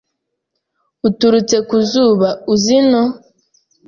uturutse ku zuba. uzi ino